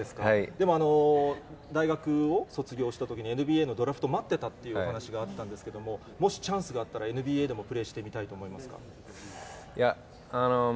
でも大学を卒業したときにＮＢＡのドラフト、待ってたっていうお話あったんですけれども、もし、チャンスがあったらＮＢＡでもプレーしてみたいと思いますか？